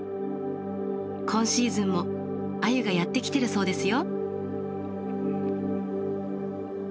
今シーズンもアユがやって来てるそうですよ。